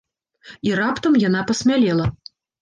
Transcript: І раптам яна пасмялела.